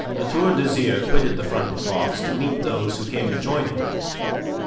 La Tour d'Azyr had quitted the front of the box to meet those who came to join him.